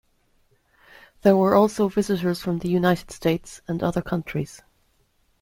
There were also visitors from the United States and other countries.